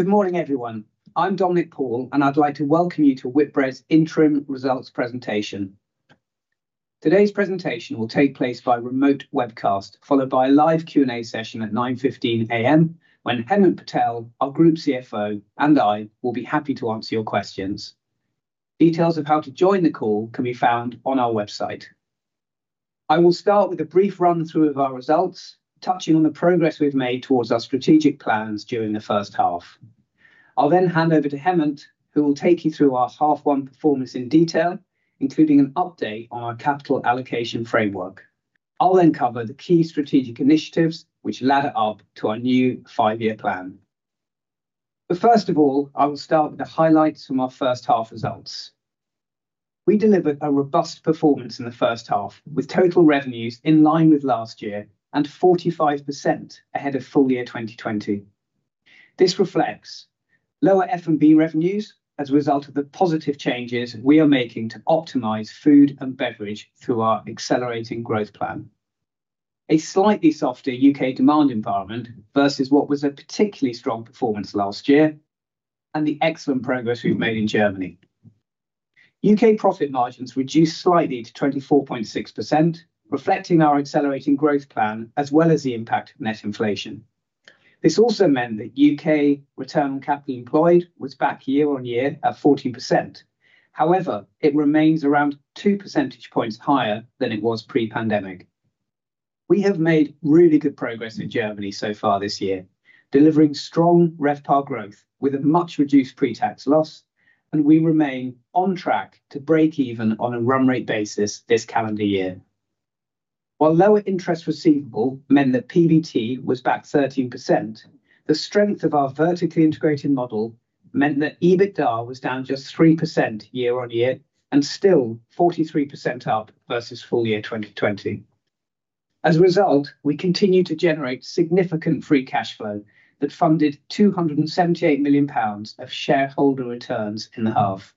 Good morning, everyone. I'm Dominic Paul, and I'd like to welcome you to Whitbread's interim results presentation. Today's presentation will take place by remote webcast, followed by a live Q&A session at 9:15 A.M., when Hemant Patel, our Group CFO, and I will be happy to answer your questions. Details of how to join the call can be found on our website. I will start with a brief run-through of our results, touching on the progress we've made towards our strategic plans during the first half. I'll then hand over to Hemant, who will take you through our half one performance in detail, including an update on our capital allocation framework. I'll then cover the key strategic initiatives which ladder up to our new five-year plan. But first of all, I will start with the highlights from our first half results. We delivered a robust performance in the first half, with total revenues in line with last year and 45% ahead of full year 2020. This reflects lower F&B revenues as a result of the positive changes we are making to optimize food and beverage through our Accelerating Growth Plan. A slightly softer U.K. demand environment versus what was a particularly strong performance last year, and the excellent progress we've made in Germany. U.K. profit margins reduced slightly to 24.6%, reflecting our Accelerating Growth Plan, as well as the impact of net inflation. This also meant that U.K. return on capital employed was back year on year at 14%. However, it remains around two percentage points higher than it was pre-pandemic. We have made really good progress in Germany so far this year, delivering strong RevPAR growth with a much reduced pre-tax loss, and we remain on track to break even on a run rate basis this calendar year. While lower interest receivable meant that PBT was back 13%, the strength of our vertically integrated model meant that EBITDA was down just 3% year on year and still 43% up versus full year 2020. As a result, we continue to generate significant free cash flow that funded 278 million pounds of shareholder returns in the half.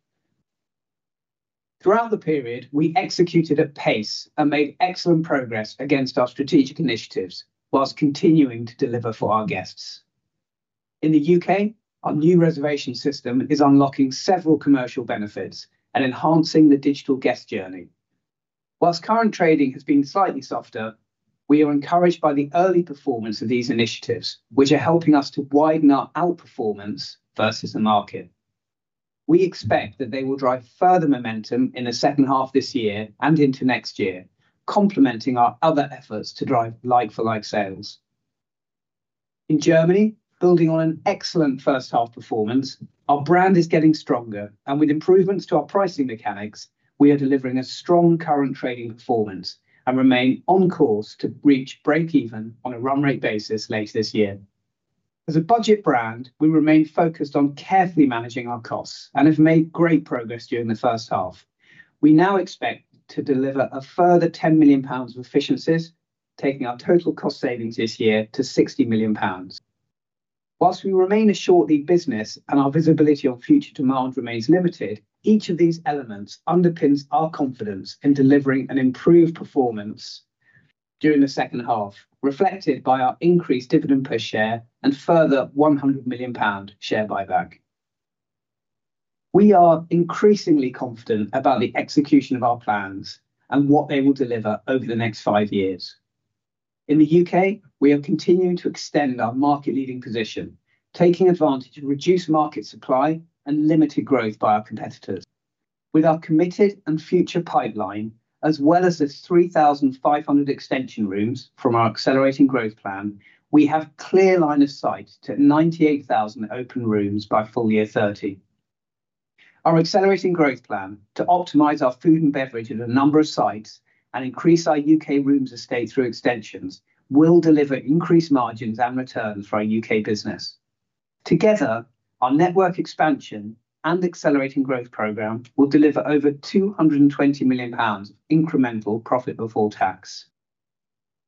Throughout the period, we executed at pace and made excellent progress against our strategic initiatives whilst continuing to deliver for our guests. In the U.K., our new reservation system is unlocking several commercial benefits and enhancing the digital guest journey. While current trading has been slightly softer, we are encouraged by the early performance of these initiatives, which are helping us to widen our outperformance versus the market. We expect that they will drive further momentum in the second half this year and into next year, complementing our other efforts to drive like-for-like sales. In Germany, building on an excellent first half performance, our brand is getting stronger, and with improvements to our pricing mechanics, we are delivering a strong current trading performance and remain on course to reach break-even on a run rate basis later this year. As a budget brand, we remain focused on carefully managing our costs and have made great progress during the first half. We now expect to deliver a further 10 million pounds of efficiencies, taking our total cost savings this year to 60 million pounds. While we remain a short lead business and our visibility on future demand remains limited, each of these elements underpins our confidence in delivering an improved performance during the second half, reflected by our increased dividend per share and further £100 million share buyback. We are increasingly confident about the execution of our plans and what they will deliver over the next five years. In the UK, we are continuing to extend our market-leading position, taking advantage of reduced market supply and limited growth by our competitors. With our committed and future pipeline, as well as the 3,500 extension rooms from our Accelerating Growth Plan, we have clear line of sight to 98,000 open rooms by full year 2030. Our Accelerating Growth Plan to optimize our food and beverage at a number of sites and increase our U.K. rooms estate through extensions will deliver increased margins and returns for our U.K. business. Together, our network expansion and Accelerating Growth Plan will deliver over 220 million pounds of incremental profit before tax.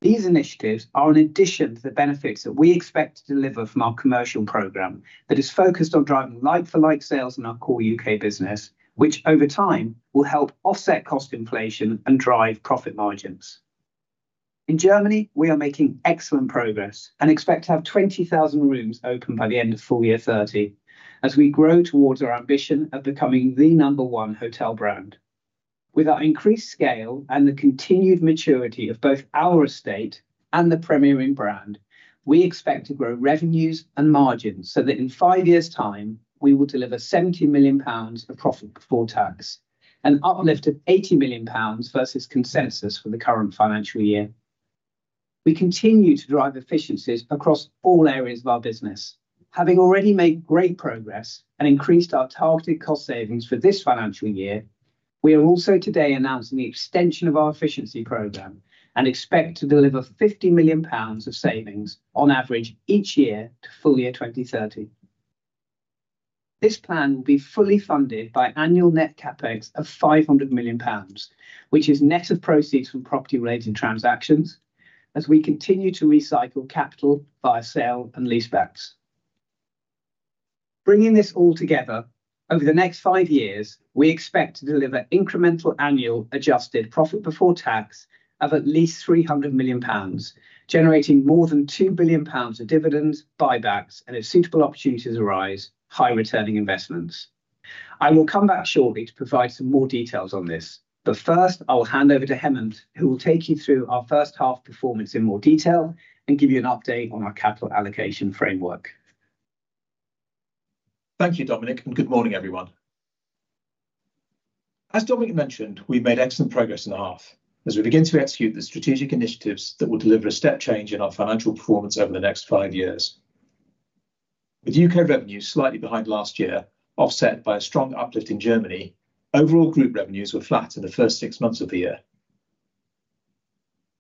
These initiatives are in addition to the benefits that we expect to deliver from our commercial program that is focused on driving like-for-like sales in our core U.K. business, which over time will help offset cost inflation and drive profit margins. In Germany, we are making excellent progress and expect to have 20,000 rooms open by the end of full year 2030 as we grow towards our ambition of becoming the number one hotel brand. With our increased scale and the continued maturity of both our estate and the Premier Inn brand, we expect to grow revenues and margins so that in five years' time, we will deliver 70 million pounds of profit before tax, an uplift of 80 million pounds versus consensus for the current financial year. We continue to drive efficiencies across all areas of our business. Having already made great progress and increased our targeted cost savings for this financial year, we are also today announcing the extension of our efficiency program and expect to deliver 50 million pounds of savings on average each year to full year 2030. This plan will be fully funded by annual Net CapEx of 500 million pounds, which is net of proceeds from property-related transactions, as we continue to recycle capital via sale and leasebacks. Bringing this all together... Over the next five years, we expect to deliver incremental annual adjusted profit before tax of at least 300 million pounds, generating more than 2 billion pounds of dividends, buybacks, and if suitable opportunities arise, high returning investments. I will come back shortly to provide some more details on this, but first, I will hand over to Hemant, who will take you through our first half performance in more detail and give you an update on our capital allocation framework. Thank you, Dominic, and good morning, everyone. As Dominic mentioned, we've made excellent progress in the half as we begin to execute the strategic initiatives that will deliver a step change in our financial performance over the next five years. With UK revenues slightly behind last year, offset by a strong uplift in Germany, overall group revenues were flat in the first six months of the year.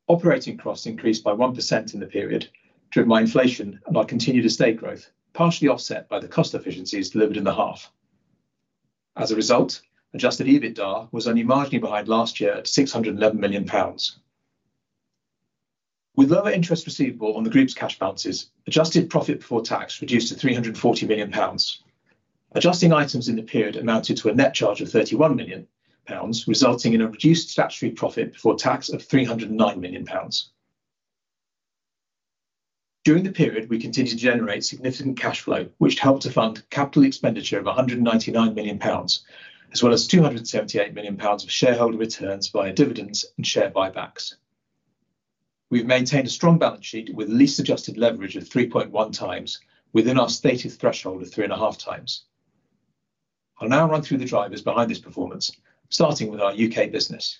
Operating costs increased by 1% in the period, driven by inflation and our continued estate growth, partially offset by the cost efficiencies delivered in the half. As a result, Adjusted EBITDA was only marginally behind last year at 611 million pounds. With lower interest receivable on the group's cash balances, Adjusted profit before tax reduced to 340 million pounds. Adjusting items in the period amounted to a net charge of 31 million pounds, resulting in a reduced statutory profit before tax of 309 million pounds. During the period, we continued to generate significant cash flow, which helped to fund capital expenditure of 199 million pounds, as well as 278 million pounds of shareholder returns via dividends and share buybacks. We've maintained a strong balance sheet with lease-adjusted leverage of 3.1 times within our stated threshold of 3.5 times. I'll now run through the drivers behind this performance, starting with our U.K. business.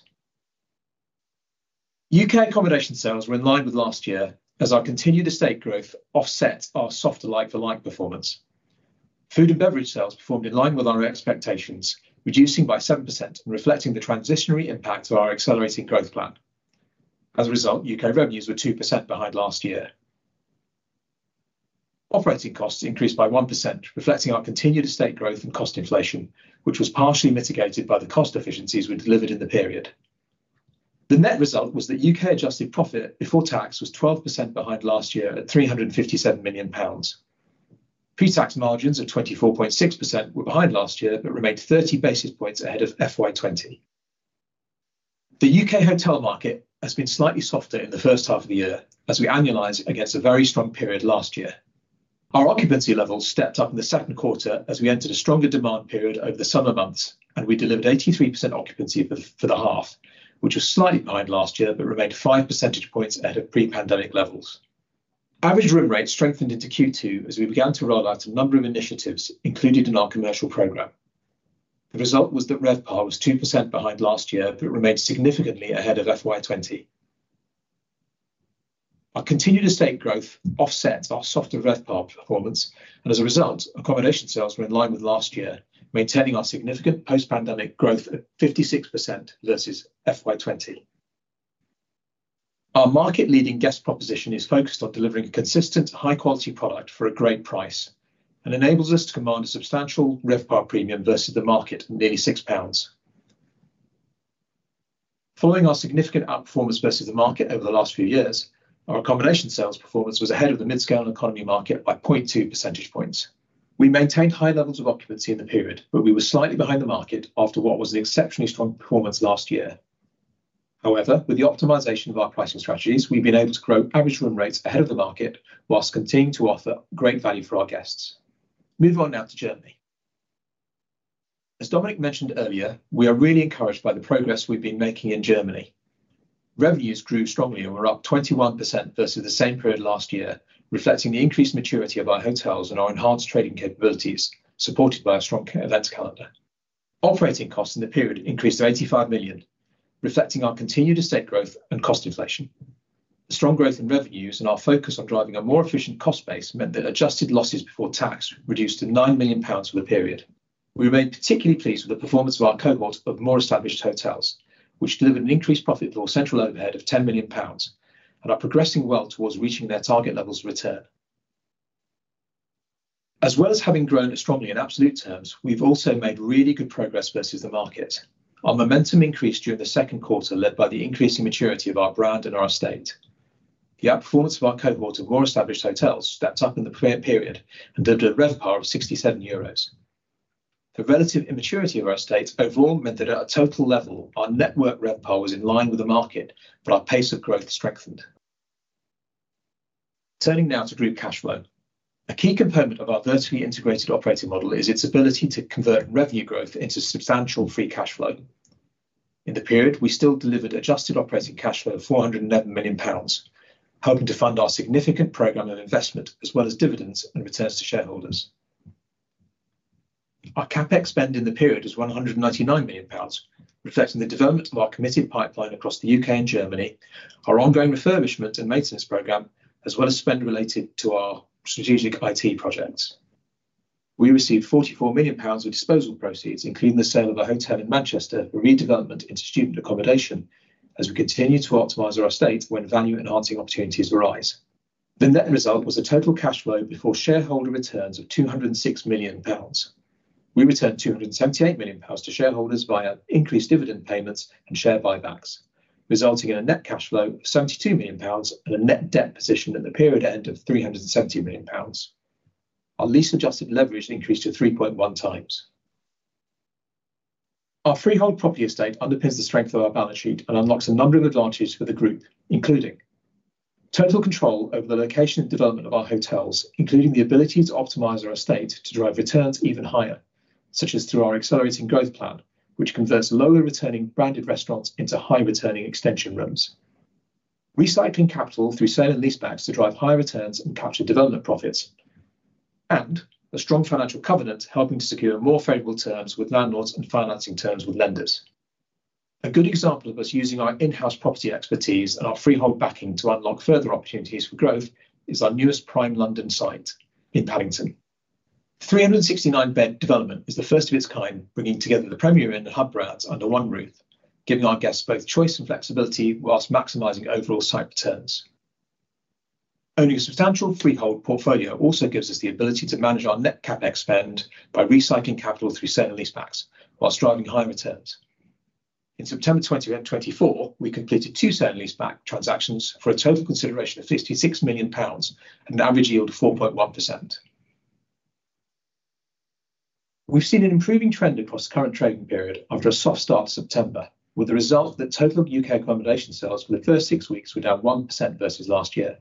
U.K. accommodation sales were in line with last year as our continued estate growth offset our softer like-for-like performance. Food and beverage sales performed in line with our expectations, reducing by 7% and reflecting the transitionary impact of our Accelerating Growth Plan. As a result, U.K. revenues were 2% behind last year. Operating costs increased by 1%, reflecting our continued estate growth and cost inflation, which was partially mitigated by the cost efficiencies we delivered in the period. The net result was that U.K. adjusted profit before tax was 12% behind last year at 357 million pounds. Pre-tax margins of 24.6% were behind last year, but remained 30 basis points ahead of FY 2020. The U.K. hotel market has been slightly softer in the first half of the year as we annualize against a very strong period last year. Our occupancy levels stepped up in the second quarter as we entered a stronger demand period over the summer months, and we delivered 83% occupancy for the half, which was slightly behind last year but remained five percentage points ahead of pre-pandemic levels. Average room rates strengthened into Q2 as we began to roll out a number of initiatives included in our commercial program. The result was that RevPAR was 2% behind last year, but remained significantly ahead of FY 2020. Our continued estate growth offset our softer RevPAR performance, and as a result, accommodation sales were in line with last year, maintaining our significant post-pandemic growth at 56% versus FY 2020. Our market-leading guest proposition is focused on delivering a consistent, high-quality product for a great price and enables us to command a substantial RevPAR premium versus the market, nearly 6 pounds. Following our significant outperformance versus the market over the last few years, our accommodation sales performance was ahead of the mid-scale economy market by 0.2 percentage points. We maintained high levels of occupancy in the period, but we were slightly behind the market after what was an exceptionally strong performance last year. However, with the optimization of our pricing strategies, we've been able to grow average room rates ahead of the market while continuing to offer great value for our guests. Moving on now to Germany. As Dominic mentioned earlier, we are really encouraged by the progress we've been making in Germany. Revenues grew strongly and were up 21% versus the same period last year, reflecting the increased maturity of our hotels and our enhanced trading capabilities, supported by a strong events calendar. Operating costs in the period increased to 85 million, reflecting our continued estate growth and cost inflation. The strong growth in revenues and our focus on driving a more efficient cost base meant that adjusted losses before tax reduced to nine million pounds for the period. We remain particularly pleased with the performance of our cohort of more established hotels, which delivered an increased profit before central overhead of 10 million pounds and are progressing well towards reaching their target levels of return. As well as having grown strongly in absolute terms, we've also made really good progress versus the market. Our momentum increased during the second quarter, led by the increasing maturity of our brand and our estate. The outperformance of our cohort of more established hotels stepped up in the period and delivered a RevPAR of 67 euros. The relative immaturity of our estate overall meant that at a total level, our network RevPAR was in line with the market, but our pace of growth strengthened. Turning now to group cash flow. A key component of our vertically integrated operating model is its ability to convert revenue growth into substantial free cash flow. In the period, we still delivered adjusted operating cash flow of 411 million pounds, helping to fund our significant program of investment as well as dividends and returns to shareholders. Our CapEx spend in the period was 199 million pounds, reflecting the development of our committed pipeline across the UK and Germany, our ongoing refurbishment and maintenance program, as well as spend related to our strategic IT projects. We received 44 million pounds of disposal proceeds, including the sale of a hotel in Manchester for redevelopment into student accommodation as we continue to optimize our estate when value-enhancing opportunities arise. The net result was a total cash flow before shareholder returns of 206 million pounds. We returned 278 million pounds to shareholders via increased dividend payments and share buybacks, resulting in a net cash flow of 72 million pounds and a net debt position at the period end of 370 million pounds. Our lease-adjusted leverage increased to 3.1 times. Our freehold property estate underpins the strength of our balance sheet and unlocks a number of advantages for the group, including total control over the location and development of our hotels, including the ability to optimize our estate to drive returns even higher, such as through our Accelerating Growth Plan, which converts lower-returning branded restaurants into high-returning extension rooms. Recycling capital through sale and leasebacks to drive higher returns and capture development profits, and a strong financial covenant helping to secure more favorable terms with landlords and financing terms with lenders. A good example of us using our in-house property expertise and our freehold backing to unlock further opportunities for growth is our newest prime London site in Paddington. 369-bed development is the first of its kind, bringing together the Premier Inn and hub brands under one roof, giving our guests both choice and flexibility whilst maximizing overall site returns. Owning a substantial freehold portfolio also gives us the ability to manage our net CapEx spend by recycling capital through sale and leasebacks whilst driving higher returns. In September 2024, we completed two sale and leaseback transactions for a total consideration of 56 million pounds and an average yield of 4.1%. We've seen an improving trend across current trading period after a soft start to September, with the result that total U.K. accommodation sales for the first six weeks were down 1% versus last year.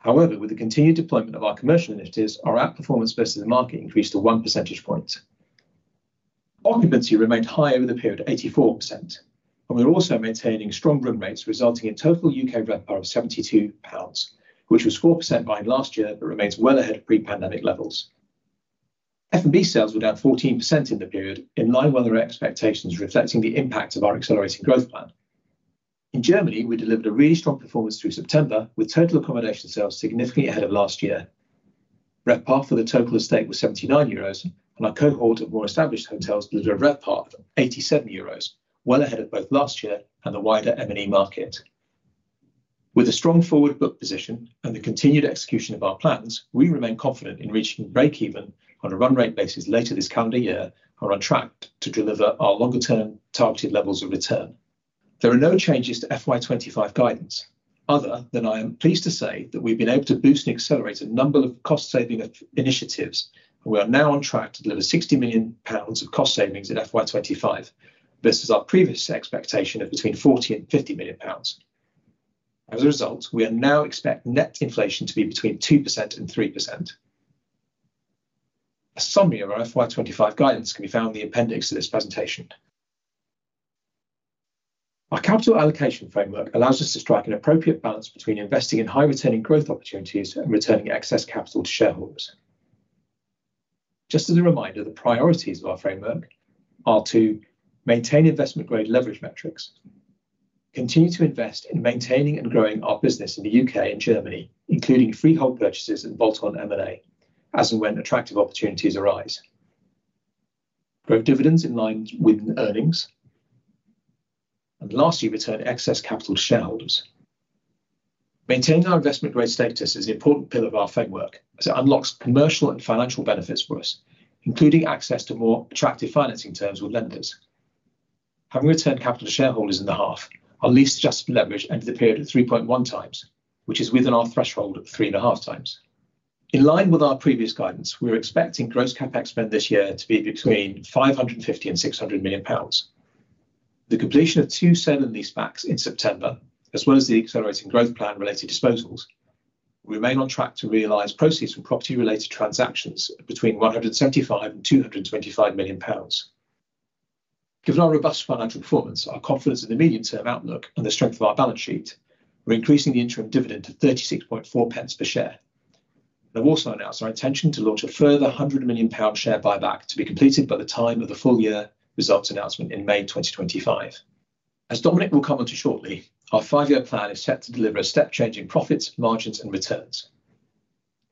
However, with the continued deployment of our commercial initiatives, our outperformance versus the market increased to 1 percentage point. Occupancy remained high over the period at 84%, and we're also maintaining strong room rates, resulting in total U.K. RevPAR of 72 pounds, which was 4% behind last year, but remains well ahead of pre-pandemic levels. F&B sales were down 14% in the period, in line with our expectations, reflecting the impact of our Accelerating Growth Plan. In Germany, we delivered a really strong performance through September, with total accommodation sales significantly ahead of last year. RevPAR for the total estate was 79 euros, and our cohort of more established hotels delivered a RevPAR of 87 euros, well ahead of both last year and the wider M&E market. With a strong forward book position and the continued execution of our plans, we remain confident in reaching breakeven on a run rate basis later this calendar year and are on track to deliver our longer-term targeted levels of return. There are no changes to FY 2025 guidance, other than I am pleased to say that we've been able to boost and accelerate a number of cost-saving initiatives. We are now on track to deliver 60 million pounds of cost savings in FY 2025 versus our previous expectation of between 40 and 50 million pounds. As a result, we are now expecting net inflation to be between 2% and 3%. A summary of our FY 2025 guidance can be found in the appendix to this presentation. Our Capital Allocation Framework allows us to strike an appropriate balance between investing in high-returning growth opportunities and returning excess capital to shareholders. Just as a reminder, the priorities of our framework are to maintain investment-grade leverage metrics, continue to invest in maintaining and growing our business in the U.K. and Germany, including freehold purchases and bolt-on M&A, as and when attractive opportunities arise. Grow dividends in line with earnings. And lastly, return excess capital to shareholders. Maintaining our investment-grade status is an important pillar of our framework, as it unlocks commercial and financial benefits for us, including access to more attractive financing terms with lenders. Having returned capital to shareholders in the half, our lease-adjusted leverage ended the period at 3.1 times, which is within our threshold of 3.5 times. In line with our previous guidance, we are expecting gross CapEx spend this year to be between 550 and 600 million pounds. The completion of two sale and leasebacks in September, as well as the Accelerating Growth Plan-related disposals. We remain on track to realize proceeds from property-related transactions between 175 and 225 million pounds. Given our robust financial performance, our confidence in the medium-term outlook, and the strength of our balance sheet, we're increasing the interim dividend to 36.4 pence per share. We've also announced our intention to launch a further 100 million pound share buyback to be completed by the time of the full year results announcement in May 2025. As Dominic will come on to shortly, our five-year plan is set to deliver a step change in profits, margins, and returns.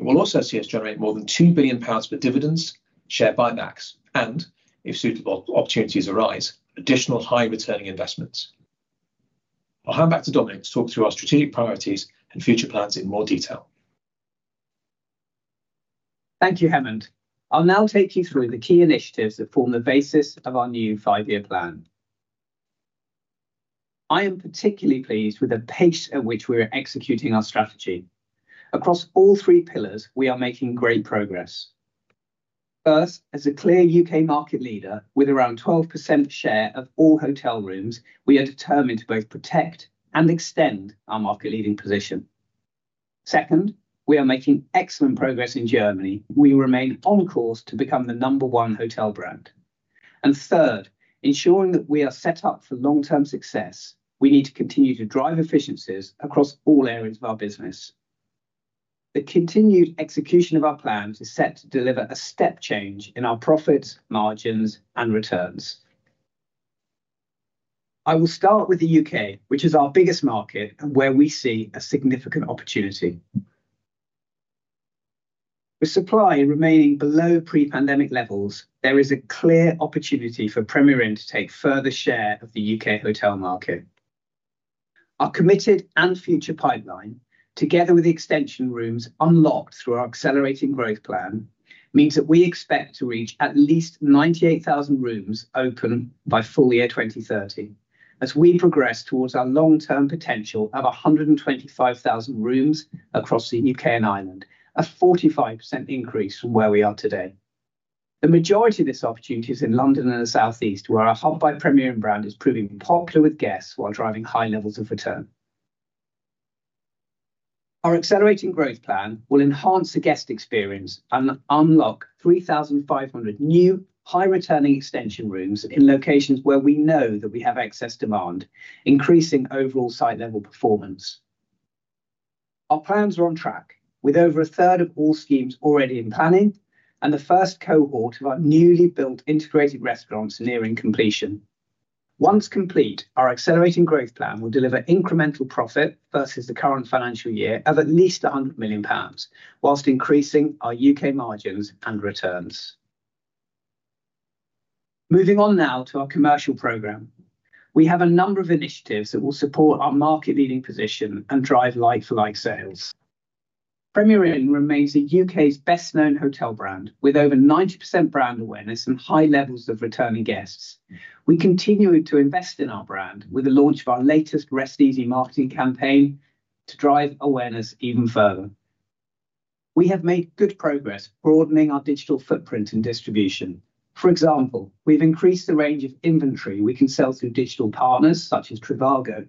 It will also see us generate more than 2 billion pounds for dividends, share buybacks, and if suitable opportunities arise, additional high-returning investments. I'll hand back to Dominic to talk through our strategic priorities and future plans in more detail. Thank you, Hemant. I'll now take you through the key initiatives that form the basis of our new five-year plan. I am particularly pleased with the pace at which we are executing our strategy. Across all three pillars, we are making great progress. First, as a clear UK market leader with around 12% share of all hotel rooms, we are determined to both protect and extend our market-leading position. Second, we are making excellent progress in Germany. We remain on course to become the number one hotel brand. And third, ensuring that we are set up for long-term success, we need to continue to drive efficiencies across all areas of our business. The continued execution of our plans is set to deliver a step change in our profits, margins, and returns. I will start with the UK, which is our biggest market and where we see a significant opportunity. With supply remaining below pre-pandemic levels, there is a clear opportunity for Premier Inn to take further share of the UK hotel market. Our committed and future pipeline, together with the extension rooms unlocked through our Accelerating Growth Plan, means that we expect to reach at least 98,000 rooms open by full year 2030, as we progress towards our long-term potential of 125,000 rooms across the UK and Ireland, a 45% increase from where we are today. The majority of this opportunity is in London and the Southeast, where our hub by Premier Inn brand is proving popular with guests while driving high levels of return. Our Accelerating Growth Plan will enhance the guest experience and unlock 3,500 new high-returning extension rooms in locations where we know that we have excess demand, increasing overall site level performance. Our plans are on track, with over a third of all schemes already in planning and the first cohort of our newly built integrated restaurants nearing completion. Once complete, our Accelerating Growth Plan will deliver incremental profit versus the current financial year of at least 100 million pounds, while increasing our UK margins and returns. Moving on now to our commercial program. We have a number of initiatives that will support our market-leading position and drive like-for-like sales. Premier Inn remains the UK's best-known hotel brand, with over 90% brand awareness and high levels of returning guests. We continue to invest in our brand with the launch of our latest Rest Easy marketing campaign to drive awareness even further. We have made good progress broadening our digital footprint and distribution. For example, we've increased the range of inventory we can sell through digital partners, such as Trivago,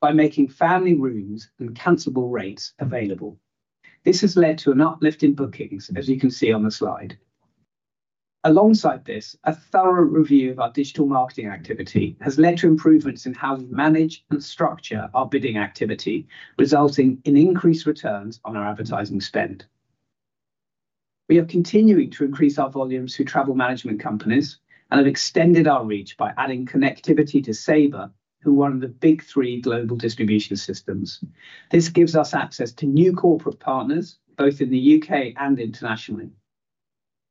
by making family rooms and cancelable rates available. This has led to an uplift in bookings, as you can see on the slide. Alongside this, a thorough review of our digital marketing activity has led to improvements in how we manage and structure our bidding activity, resulting in increased returns on our advertising spend. We are continuing to increase our volumes through travel management companies and have extended our reach by adding connectivity to Sabre, who are one of the big three global distribution systems. This gives us access to new corporate partners, both in the UK and internationally.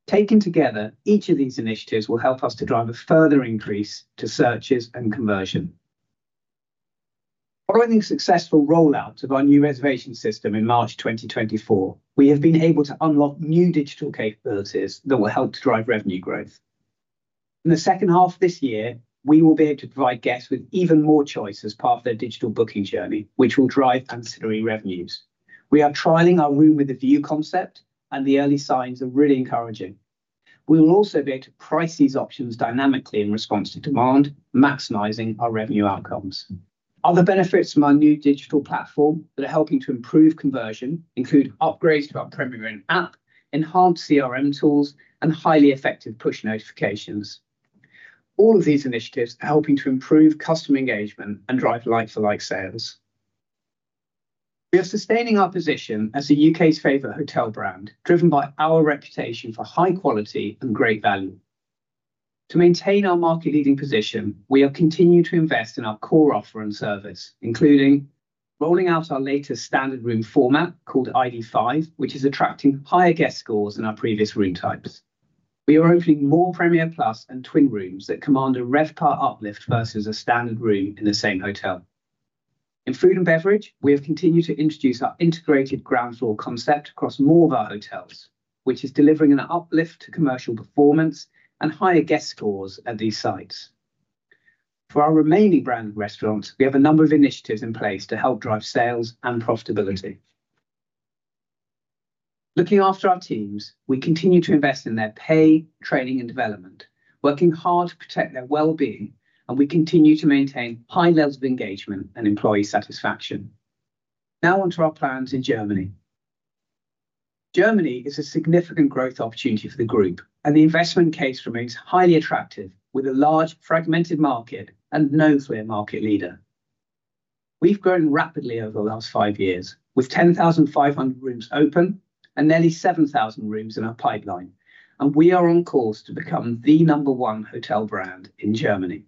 Taken together, each of these initiatives will help us to drive a further increase to searches and conversion. Following the successful rollout of our new reservation system in March 2024, we have been able to unlock new digital capabilities that will help to drive revenue growth. In the second half of this year, we will be able to provide guests with even more choice as part of their digital booking journey, which will drive ancillary revenues. We are trialing our Room with a View concept, and the early signs are really encouraging. We will also be able to price these options dynamically in response to demand, maximizing our revenue outcomes. Other benefits from our new digital platform that are helping to improve conversion include upgrades to our Premier Inn app, enhanced CRM tools, and highly effective push notifications. All of these initiatives are helping to improve customer engagement and drive like-for-like sales. We are sustaining our position as the UK's favorite hotel brand, driven by our reputation for high quality and great value. To maintain our market-leading position, we have continued to invest in our core offer and service, including rolling out our latest standard room format called ID5, which is attracting higher guest scores than our previous room types. We are opening more Premier Plus and twin rooms that command a RevPAR uplift versus a standard room in the same hotel. In food and beverage, we have continued to introduce our integrated ground floor concept across more of our hotels, which is delivering an uplift to commercial performance and higher guest scores at these sites. For our remaining brand restaurants, we have a number of initiatives in place to help drive sales and profitability. Looking after our teams, we continue to invest in their pay, training, and development, working hard to protect their wellbeing, and we continue to maintain high levels of engagement and employee satisfaction. Now on to our plans in Germany. Germany is a significant growth opportunity for the group, and the investment case remains highly attractive, with a large, fragmented market and no clear market leader. We've grown rapidly over the last five years, with 10,500 rooms open and nearly 7,000 rooms in our pipeline, and we are on course to become the number one hotel brand in Germany.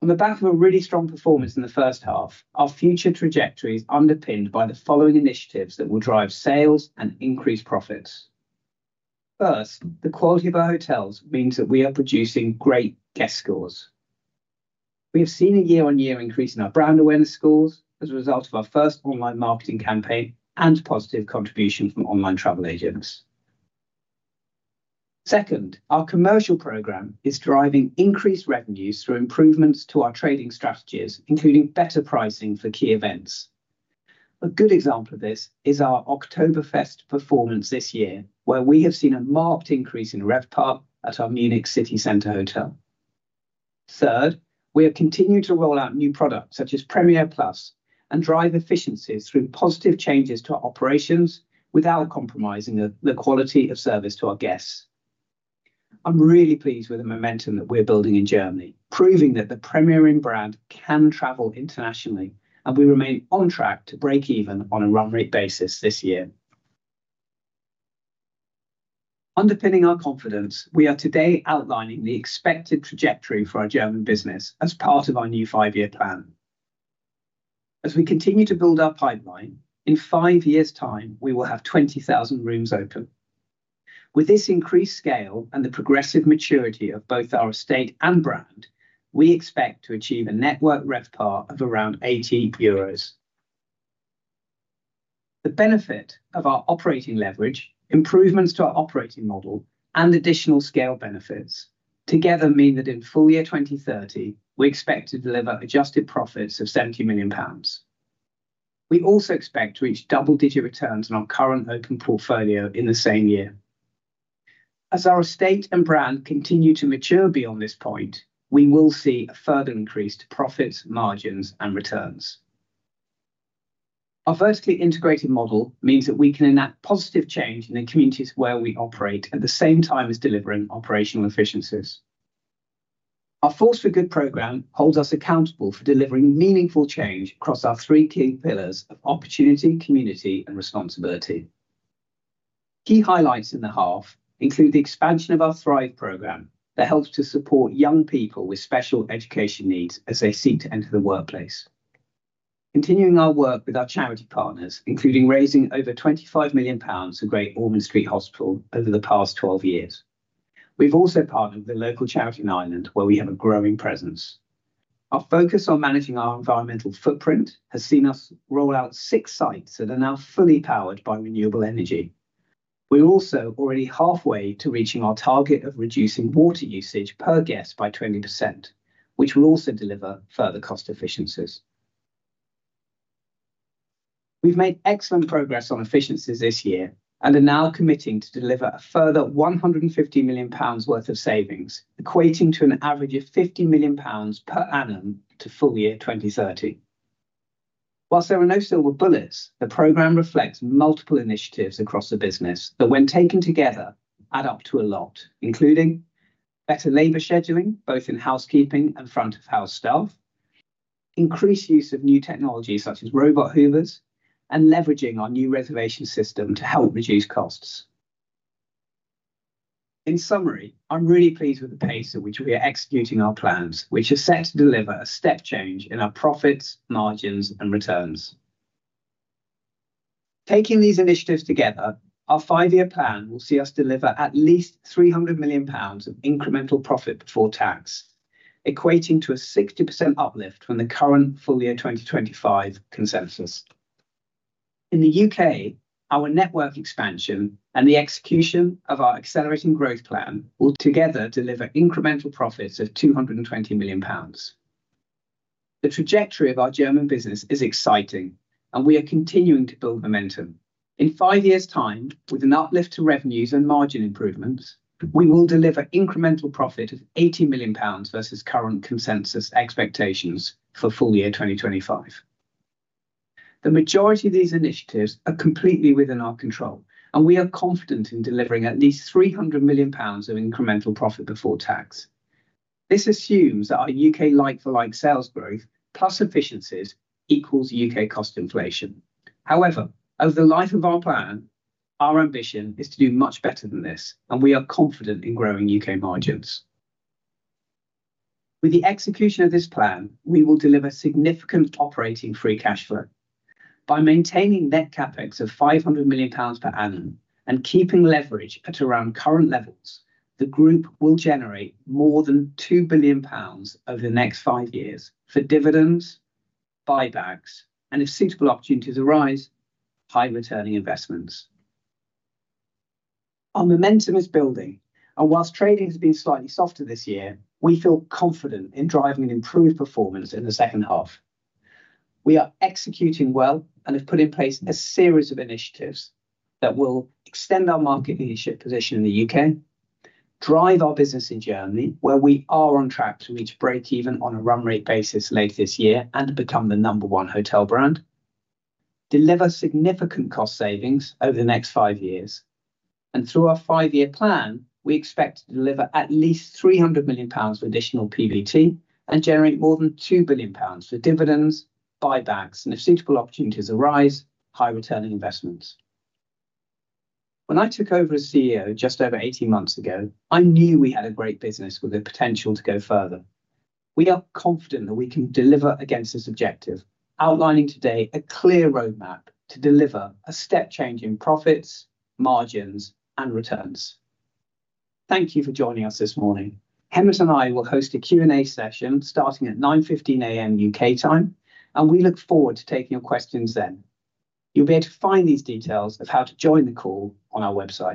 On the back of a really strong performance in the first half, our future trajectory is underpinned by the following initiatives that will drive sales and increase profits. First, the quality of our hotels means that we are producing great guest scores. We have seen a year-on-year increase in our brand awareness scores as a result of our first online marketing campaign and positive contribution from online travel agents. Second, our commercial program is driving increased revenues through improvements to our trading strategies, including better pricing for key events. A good example of this is our Oktoberfest performance this year, where we have seen a marked increase in RevPAR at our Munich city center hotel. Third, we have continued to roll out new products, such as Premier Plus, and drive efficiencies through positive changes to our operations without compromising the quality of service to our guests. I'm really pleased with the momentum that we're building in Germany, proving that the Premier Inn brand can travel internationally, and we remain on track to break even on a run rate basis this year. Underpinning our confidence, we are today outlining the expected trajectory for our German business as part of our new five-year plan. As we continue to build our pipeline, in five years' time, we will have 20,000 rooms open. With this increased scale and the progressive maturity of both our estate and brand, we expect to achieve a network RevPAR of around 80 euros. The benefit of our operating leverage, improvements to our operating model, and additional scale benefits together mean that in full year 2030, we expect to deliver adjusted profits of 70 million pounds. We also expect to reach double-digit returns on our current open portfolio in the same year. As our estate and brand continue to mature beyond this point, we will see a further increase to profits, margins, and returns. Our vertically integrated model means that we can enact positive change in the communities where we operate at the same time as delivering operational efficiencies. Our Force for Good program holds us accountable for delivering meaningful change across our three key pillars of opportunity, community, and responsibility. Key highlights in the half include the expansion of our Thrive program that helps to support young people with special education needs as they seek to enter the workplace. Continuing our work with our charity partners, including raising over 25 million pounds for Great Ormond Street Hospital over the past 12 years. We've also partnered with a local charity in Ireland, where we have a growing presence. Our focus on managing our environmental footprint has seen us roll out six sites that are now fully powered by renewable energy. We are also already halfway to reaching our target of reducing water usage per guest by 20%, which will also deliver further cost efficiencies. We've made excellent progress on efficiencies this year and are now committing to deliver a further 150 million pounds worth of savings, equating to an average of 50 million pounds per annum to full year 2030. Whilst there are no silver bullets, the program reflects multiple initiatives across the business that, when taken together, add up to a lot, including better labor scheduling, both in housekeeping and front of house staff, increased use of new technology, such as robot Hoovers, and leveraging our new reservation system to help reduce costs. In summary, I'm really pleased with the pace at which we are executing our plans, which are set to deliver a step change in our profits, margins, and returns. Taking these initiatives together, our five-year plan will see us deliver at least 300 million pounds of incremental profit before tax, equating to a 60% uplift from the current full year 2025 consensus. In the UK, our network expansion and the execution of our Accelerating Growth Plan will together deliver incremental profits of 220 million pounds. The trajectory of our German business is exciting, and we are continuing to build momentum. In five years' time, with an uplift to revenues and margin improvements, we will deliver incremental profit of 80 million pounds versus current consensus expectations for full year 2025. The majority of these initiatives are completely within our control, and we are confident in delivering at least 300 million pounds of incremental profit before tax. This assumes that our UK like-for-like sales growth plus efficiencies equals UK cost inflation. However, over the life of our plan, our ambition is to do much better than this, and we are confident in growing UK margins. With the execution of this plan, we will deliver significant operating free cash flow. By maintaining Net CapEx of 500 million pounds per annum and keeping leverage at around current levels, the group will generate more than 2 billion pounds over the next five years for dividends, buybacks, and if suitable opportunities arise, high-returning investments. Our momentum is building, and whilst trading has been slightly softer this year, we feel confident in driving an improved performance in the second half. We are executing well and have put in place a series of initiatives that will extend our market leadership position in the U.K., drive our business in Germany, where we are on track to reach break-even on a run rate basis late this year and become the number one hotel brand, deliver significant cost savings over the next five years, and through our five-year plan, we expect to deliver at least 300 million pounds of additional PBT and generate more than 2 billion pounds for dividends, buybacks, and if suitable opportunities arise, high-returning investments. When I took over as CEO just over 18 months ago, I knew we had a great business with the potential to go further. We are confident that we can deliver against this objective, outlining today a clear roadmap to deliver a step change in profits, margins, and returns. Thank you for joining us this morning. Hemant and I will host a Q&A session starting at 9:15 A.M. U.K. time, and we look forward to taking your questions then. You'll be able to find these details of how to join the call on our website.